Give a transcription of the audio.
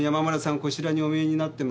こちらにお見えになってますね。